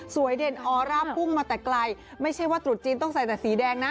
เด่นออร่าพุ่งมาแต่ไกลไม่ใช่ว่าตรุษจีนต้องใส่แต่สีแดงนะ